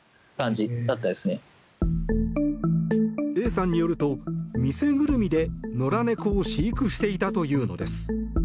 Ａさんによると、店ぐるみで野良猫を飼育していたというのです。